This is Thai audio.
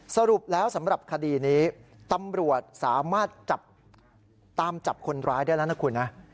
สรุปแล้วสำหรับคดีนี้ตำรวจสามารถจับตามจับคนร้ายได้แล้วนะคุณนะ